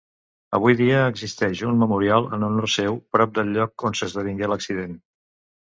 Avui dia existeix un memorial en honor seu prop del lloc on s'esdevingué l'accident.